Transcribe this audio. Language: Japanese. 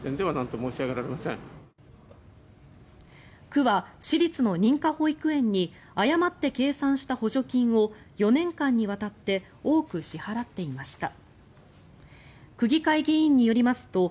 区は私立の認可保育園に誤って計算した補助金を４年間にわたって多く支払っていました。